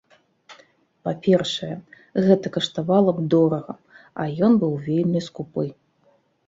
Па-першае, гэта каштавала б дорага, а ён быў вельмі скупы.